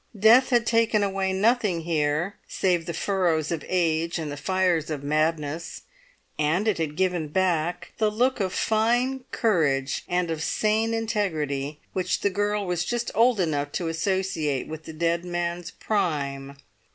Death had taken away nothing here, save the furrows of age and the fires of madness, and it had given back the look of fine courage and of sane integrity which the girl was just old enough to associate with the dead man's prime.